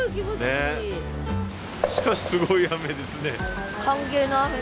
しかしすごい雨ですね。